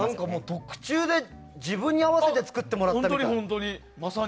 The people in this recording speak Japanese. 特注で自分に合わせて作ってもらったみたい。